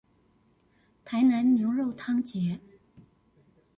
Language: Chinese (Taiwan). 台南牛肉湯節